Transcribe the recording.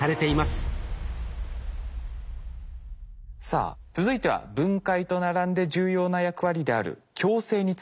さあ続いては分解と並んで重要な役割である共生についてです。